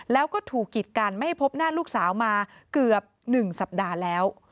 แล้วก็ถูกกิดกันไม่ให้พบหน้าลูกสาวมาเกือบ๑สัปดาห์แล้ว